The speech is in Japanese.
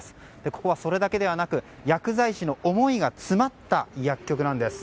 ここはそれだけではなく薬剤師の思いが詰まった薬局なんです。